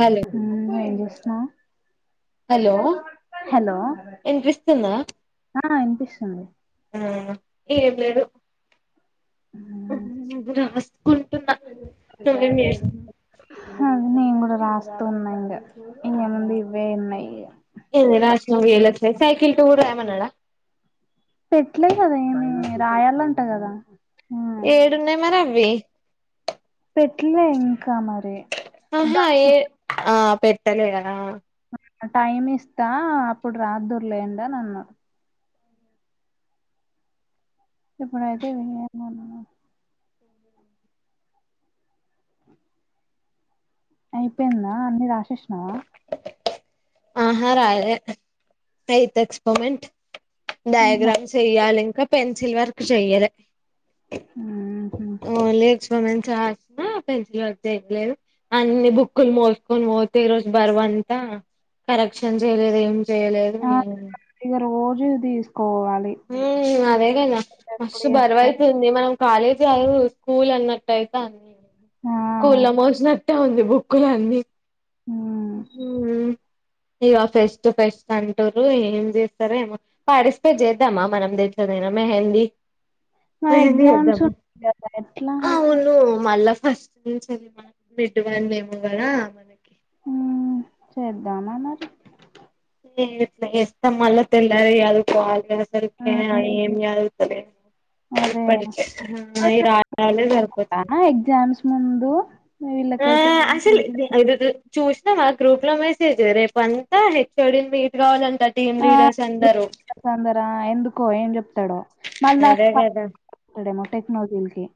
Hello ఏం చేస్తున్నావ్ hello hello వినిపిస్తుందా ఆ ఇనిపిస్తుంది ఆ ఏం లేదు రాసుకుంటున్నా సెవెన్ ఇయర్స్ అది నేను కూడా రాస్తూ ఉన్నా ఇంకా ఇక ముందు ఇవే ఉన్నాయి ఏ రాసినవే సైకిల్ టూర్ రాయమన్నడ పెట్టలే కదా ఏమి రాయాలంట కదా మ్మ్ ఏడున్నాయి మరి అవి పెట్లే ఇంకా మరి ఆహా ఏ దానికి ఆ పెట్టలే కదా ఆ టైమ్ ఇస్తా అప్పుడు రాదుర్లేండి అని అన్నాడు ఇప్పుడు అదే విన్నాను అన్నాన అయిపోయిందా అన్ని రాసేసినవా ఆహారాలే ఎయిత్ ఎక్స్పరిమెంట్ డయాగ్రామ్స్ చెయ్యాలి ఇక్కడ పెన్సిల్ వర్క్ చేయ్యలే ఉహు రాస పెన్సిల్ వ ఏం లేదు అన్ని బుక్కులు మోసుకొని మో ఈ రోజు బర్వ ఎంత కరెక్షన్ చేయలేదు ఏం చేయలేదు ఎందీస్ ఉ అదే కదా ఎప్పుడు మస్త్ చేస్తారు బరువయితుంది మనం కాలేజ్ కాదు స్కూల్ అన్నట్టయితంది అన్ని స్కూల్ ఆ లో మోసిన తో ఉంది బుక్కులు అన్నీ హ్మ్ హ ఇక ఫెస్ట్ ఫెస్ట్ అంటుారు ఏం చేస్తార ఏమో పార్టిసిపేట్ చేద్దామా మనం ద మెహీ మరి మెహ ఎగ్జామ్స్ ఎదం ఉన్నాయి కదా ఎట్లా ఆ అయితే మళ్ళ ఫస్ట్ నుంచిర మా మిడ్వాడి ఏమో కదా మనకి దమ్ మ ఎష్ట మళ్ళ తెల్లార అదు పోాల సరికే హ్మ్ ఏం యాదుగుతు అదే ఇప్పటికే ఈ రాజళ్ళే సరిపోతుంది ఎగ్జామ్స్ ముందు ఆ వీళ్ళకైతే ఏం తెలీదు. అసలు చూస్ మా గ్రూప్ లో మేసేది రేపు అంతా హెచ్ఓడి మీట్ కావాలంట టీమ్ లీడర్స్ అంతా అందార ఎందుకో ఏం చెప్తాడో మళ్ళీ అదే కదా నా డేమో టెక్నాలజీలకి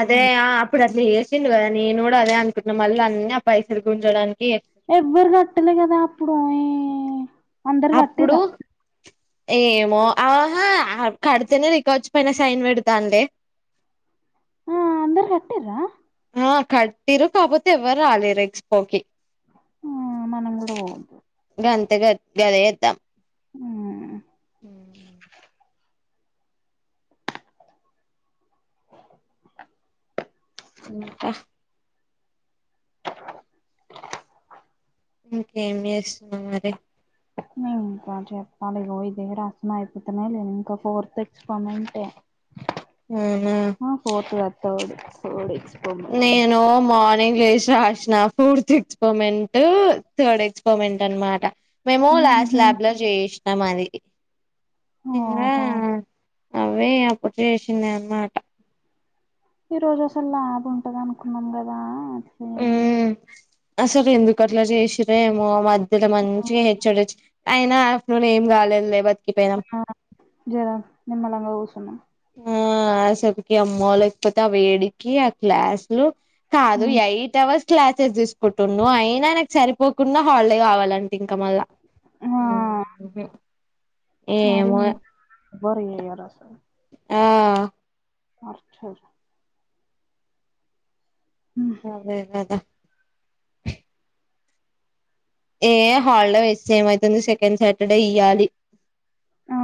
అదే హ్మ్. ఆ ఇప్పుడు అట్లా చేసిండడు కదా నేను కూడా అదే అనుకున్నాను మళ్ళీ అన్ని ఆ పైసలు గుంంచడానికి ఎవ్వరు కట్టలే కదా అప్పుడు ఈ అందరు కట్టి అప్పుడు రా ఏమో ఆహా కడితేనే రికవజు పయినా సైన్ పెడతాండి ఆ అందరి కట్టరా ఆ కటిరు కాకపోతే ఎవ్వరు రాలేరు ఎక్స్పోకి ఆ మనం కూడా పోవద్దు గలే ఎద్ద హ్మ్ ఉ ఇంకా ఇంకేం చేస్తున్నా మరి న ఇంకా చెప్పాలి ో ఇద అసమ అయిపోతున్నా లేదు ఇంకా ఫోర్త్ ఎక్స్పరిమెంటే అవునా ఆ పోతుంది తోడు ోడ నేను మ ంగ్లేజ రాసిన ఫోర్త్ ఎక్స్పరిమెంట్ థర్డ్ ఎక్స్పరిమెంట్ అనమాట మేము లాస్స్ ఉహు ల్యాబ్ లో చేయిసినాం అది ఓహో అవే అప్పుడు చేసింది అన్నమాట ఈ రోజు అసలు లాభ ఉంటది అనుకున్నాం కదా అ అసలు ఎందుకు అట్లా చేసిరేమో మధ్యలో మంచిగా హెచ్డచ్చ అయినా ఆఫ్ నన్ ఏం కాలేదు లేదు ఆ జరా నిమ్లంగా ఊసన్నా ఆ అసపుకి అమ్మ లేకపోతే ఆ వేడికి ఆ క్లాసులు కాదు ఉమ్, ఎయిట్ అవర్స్ క్లాసెస్ తీసుకుంటున్నా అయినా నాకు సరిపోకుండా హాలిడే కావాలంటే ఇంకా మళ్ళా ఆ ఏమో బరియద సార్ ఆ మార్చేర్ ఉమ్, అదేదదా ఏ హాలిడే ఇస్తే ఏమైతుంది సెకండ్ సాటర్డే ఇయ్యాలి ఆ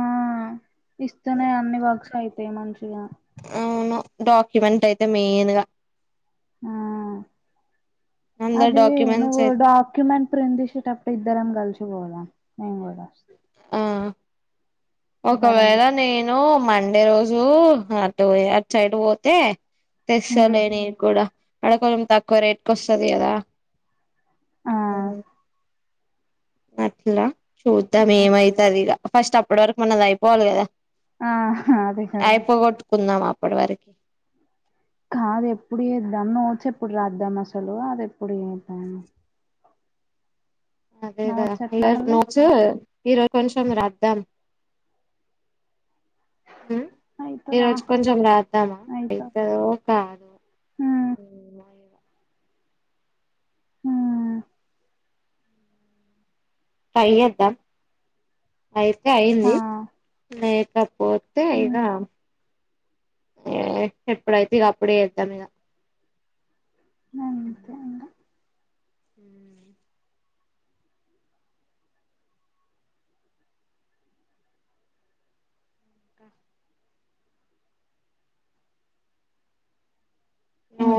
ఇస్తనే అన్ని వర్క్స్ అయితాయి మంచిగా అవును డాక్యుమెంట్ అయితే మెయిన్ గా ఆ అందరు అదే డాక్యుమెంట్స్ నువ్వు అయితే డాక్యుమెంట్ ప్రందిసిటప్పుడు ఇద్దరం కలిచ పోదాం నిను కూడా ఆ ఇద్దరం ఒకవేళ నే ను మండే రోజు అటు అట్ సైడ్ పోతే హ్మ్ తెసాలేనిది కూడా అడకోం తక్కువ రేట్కి వస్తది కదా ఆ అట్లా చూద్దాం ఏమైతది ఇక ఫస్ట్ అప్పటి వరకు మనది అయిపోవాలి కదా ఆ అదే కదా అయిపోగొట్టుకుందాం అప్పటి వరకి కాదు ఎప్పుడు ఏద్దాం నోట్స్ ఎప్పుడు రాద్దాం అసలు అది ఎప్పుడు ఏద్దాము అదే గదా ఎట్లా ఇళ్లది మళ్ళీ నోట్స్సు ఈ రోజు కొంచం రాదాం ఊ ఈ అయితదా రోజు కొంచెం రాద్దామా అయితది ఐతదో కాదో హ్మ్ ఏమ ఇగ హ్మ్ ట్రై ఏద్దాం అయితే హా అయింది లేకపోతే ఇగ హ్మ్ ఏ ఎప్పుడైతే ఇగ అప్పుడే ఏద్దాం ఇగ నంతే ఇంగ ఊ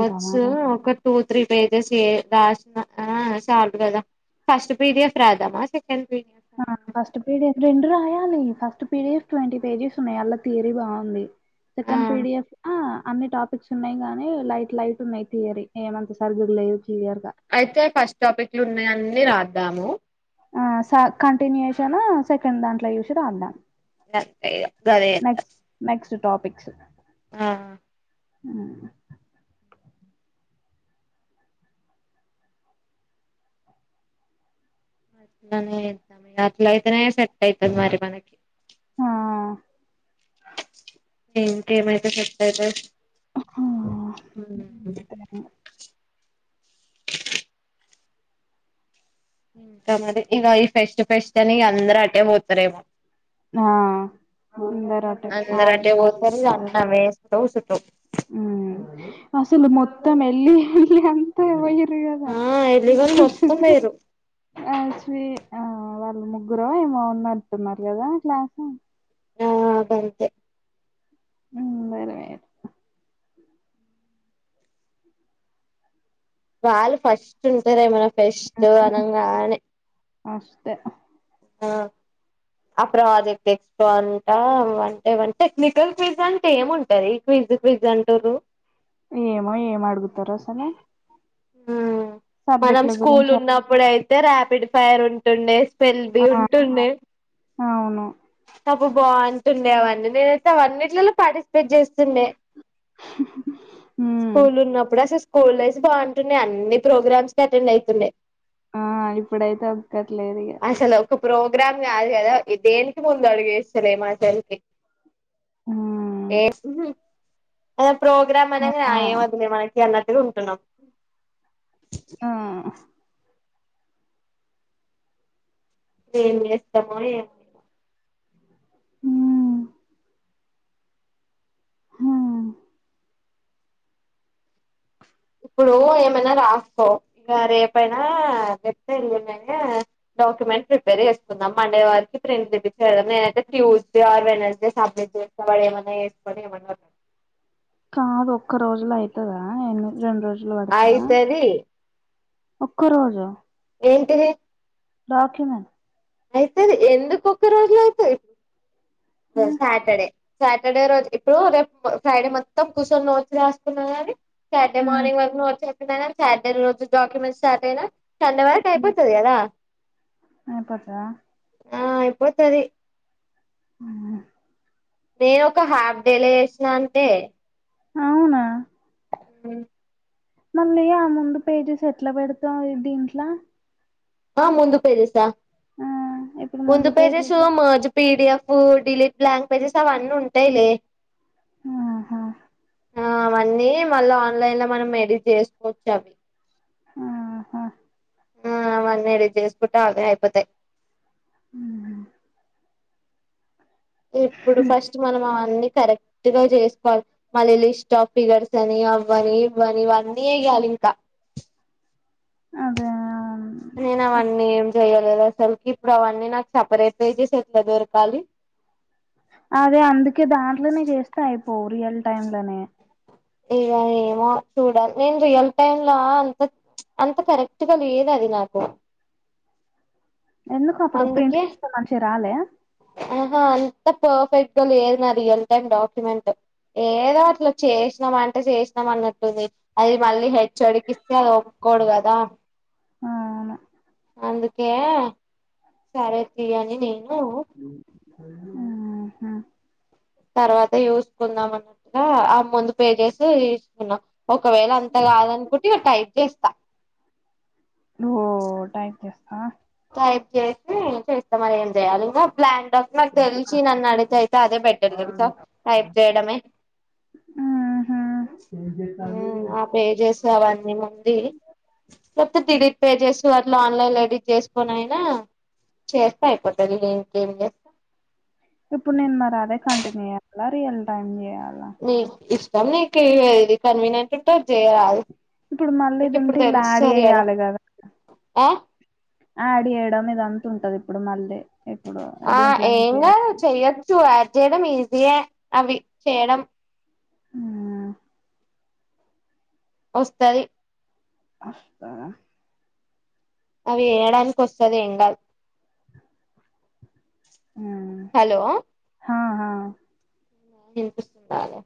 ఇంకా మరి ఒక టూ త్రీ పేజ్ గెస్ ఏ రాసిన అ ఆ సార్లు కదా ఫస్ట్ పిడిఎఫ్ రద్దామా సె ఆ ఫస్ట్ పిడిఎఫ్ రెండు రా రాయాలి ఫస్ట్ పిడిఎఫ్ ట్వంటీ పేజెస్ ఉన్నాయి అల్లా తీరీ బాగుంది ఆ సెకండ్ పిడిఎఫ్ ఆ అన్ని టాప్ పిక్స్ ఉన్నయి గాని లైట్ లైట్ ఉన్నయి థియరీ ఏమంత సరిగ లేదు క్లియర్‌గా. అయితే ఫస్ట్ టాపిక్ల ఉన్నయన్నీ రాద్దాము ఆ సాల్ కంటిన్యూయేషను సెకండ్ దాంట్ల చూసి రాద్దాము గంతే ఇగ గదే ఏదం టాపిక్స్సు ఆ ఆ అట్లనే ఏద్దాం ఇగ అట్లయితనే సెట్ ఐతది మరి మనకి అ ఏదీనికి ఏమైతే సెట్ ఐతది హ్మ్. ఊ ఇంకా మరి ఇగ ఈ ఫెస్ట్ ఫెస్ట్ అని అందరు అటే పోతారేమో ఆ! ముందరటే అందరు అది. అటే పోతారు ఇగ అందరం ఏడసుకుంటా కుసుంటం ఊ అసలు మొత్తం ఎళ్ళి ఎళ్ళి అంత ఒయి రు కద ఆ మీరు ఎలిగని అ చి మొత్తం పోయిరు అ చి ఆ వాళ్లు ముగ్గురో ఏమో ఉన్నట్టున్నారు కదా ఇట్ల అహ ఆ గంతే ఊ వరమేత వాళ్ళు ఫస్ట్ ఉంటరే మన ఫెస్టు అనగానే ఫస్టు ఆ ప్రాజెక్ట్ ఎక్కువంట వంటే వంటే నికల్ ఫీజ్ అంటే ఏముంటది క్విజ్ ఫీజు అంటుండ్రు ఏమో ఏమ్ అడుగుతరు అసలు ఆ మనం సబ్జెక్టుల స్కూల్ గురించి ఉన్నప్పుడయితే ర్యాపిడ్ ఫైర్ ఉంటుండే పెన్ బి ఆ ఉంటుండే అవును అబ బాగుంటుండే అవన్నీ నేనైతే అవన్నిట్లల పార్టిసిపేట్ చేస్తుండే ఉమ్ స్కూల్ ఉన్నప్పుడు అసలు స్కూల్ లైస్ బాగుం టున్నే అన్ని ప్రోగ్రామ్స్ కి అటెండ్ ఐతుండే ఆ ఇప్పుడైతే ఒక్కటి లేదు ఇగ అసలు ఒక ప్రోగ్రామ్ కాదు కదా దేనికి ముందు అడుగు వేస్తలేమ్ అసలికి ఉమ్ ఏస్ ఊహు అసల్ ప్రోగ్రామ్ అనంగనే ఆ ఏం వద్దులే మనకి అన్నట్టుగా ఉంటున్నాం ఆ ఏం చేస్తామో ఏమో ఇగ హు హా ఇప్పుడు ఏమైనా రాసుకో ఇక రేపయినా లేకపోతే ఎల్లుండినా డాక్యుమెంట్ ప్రిపేర్ చేకుందాం మండే వరకి ప్రింట్ తెపిస్తే అయిపోయే నేను అయితే ట్యూస్డే ఆర్ వెడ్నెస్డే సబ్మిట్ చేస్తా వాడు ఏమైనా చేసుకొని ఏమైనా కానీ కాదు ఒక్క రోజుల అవుతుదా ఎందుకు రెండు రోజులు పడతదా అయితది ఒక్క రోజు ఏంటిది డాక్యుమెంట్ ఐతది ఎందుకు ఒక్క రోజుల ఐతది ఉమ్ సాటర్డే సాటర్డే రోజు ఇప్పుడు రేపు ఫ్రైడే మొత్తం కూర్చొని నోట్స్ రాసుకున్న కానీ సాటర్డే ఉమ్ మార్నింగ్ వరకు నువ్వు వచ్చి చెప్పినా కానీ సాటర్డే రోజు డాక్యుమెంట్స్ స్టార్ట్ అయినా సండే వరకి ఐపోతాది కదా క్క ఆ అయిపోతది నేను ఒక హాఫ్ డేలో చేసిన అంతే అవునా ఉ మళ్ళీ ఆ ముందు పేజీస్ ఎట్లా పెడతాం దీంట్లో ఆ ముందు పేజసా ఆ ఇప్పుడు ముందు pages pages PDF delete blank pages అవన్నీ ఉంటాయిలే ఆహా ఆ అవన్నీ మళ్ళా ఆన్లైన్ లో మనం ఎడిట్ చేసుకోవచ్చు అవి ఆహా ఆ అవన్నీ ఎడిట్ చేసుకుంటే అవే అయిపోతాయి ఉమ్. ఇప్పుడు ఫస్ట్ మనం అవన్నీ కరెక్ట్ గా చేసుకోవాలి మళ్ళీ లిస్ట్ ఆఫ్ ఫిగర్స్ అని అవ్వని ఇవ్వని ఇవన్నీ చేయాలి ఇంకా అదే నేను ఇప్- అవన్నీ ఏం చెయలేదు అసలుకి ఇప్పుడు అవన్నీ నాకు సపరేట్ పేజెస్ ఎట్లా దొరకాలి అదే అందుకే దాంట్లోనే చేస్తా అయిపో రియల్ టైమ్ లోనే ఇద ఏమో చూడాలి నేను రియల్ టైమ్ లో అంత అంత కరెక్ట్గా లేదు అది నాకు ఎందుకు అప్పుడు ప్రింట్ అందుకె తీస్తే మంచిగా రాలే ఆహా అంత పర్ఫెక్ట్ లేదు నా రియల్ టైమ్ డాక్యుమెంట్ ఏదో అట్ల చేసినాం అంటే చేసినాం అన్నట్టుంది అది మళ్ళీ హె చె. ఒడి కిస్తే అది ఒప్పుకోడు కదా. అవును అందుకే సరే ప్రియని నేను హ తర్వాత చూసుకుందాం అన్నట్టుగా ఆ ముందు పేజేసి తీసుకున్నాం ఒకవేళ అంతగాదు ను కుంటే టైప్ చేస్తా. ఓ టైప్ చేస్తవా. టైప్ చేసి చేస్తా మరి ఏం చేయాలి ఇగా ప్లాన్ ప్నకి తెలిసి నన్ను అడిగీతే అయితే అదే బెటర్ తెల్సా టైప్ చేయడమే. ఆహా హ్ ఆ పేజెస్ అవన్నీ ముందుయి లేకపోతే డిలిట్ పేజెస్ వర్లో ఆన్లైన్ ఎడిట్ చేసు కొనయినా చేస్తే అయిపోతది ఇంకేం చేస్తాం ఇప్పుడు నేను మరి అదే కంటిన్యూ చేయాల రియల్ టైమ్ చేయాల. నీ నీకు ఎది కన్వీనియంట్ ఉంటే అది చేయరాదు. ఇప్పుడు మళ్ళీ నీకు ఇది ఉంటే ఇలా యాడ్ ఇప్పుడుతేలుస్తది కదా చేయాలి ఆ యాడ్ చేయడం ఇది అంత ఉంటది ఇప్పుడు మళ్ళీ ఇప్పుడు ఆ దీంట్లో నుంచి ఎంగాదు చెయ్యచూ ఆడ్ చేయడం ఈజీయే అవి చేయడం. ఆ వస్తది వస్తదా అవి చేయడానికి వస్తది ఏం కాదు హలో ఆహా వినిపిస్తాలే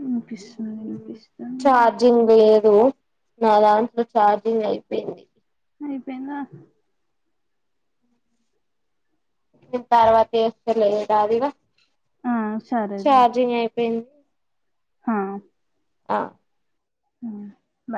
వినిపిస్తుంది హ్ వినిపిస్తుంది చార్జింగ్ లేదు దు నా దాంట్లో ఛార్జింగ్ అయిపోయింది. ఐపోయిందా నేను తర్వాత చేస్తలే రాదు ఇగా ఆ సరేలే పెన్ హా ఆ హ బాయ్